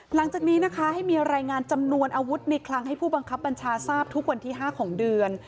หลังจากนี้นะคะให้มีรายงานจำนวนอาวุธในคลังให้ผู้บังคับบัญชาทราบทุกวันที่๕ของเดือน